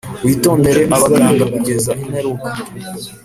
witondere abaganga kugeza imperuka